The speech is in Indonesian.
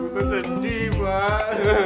gue sedih pak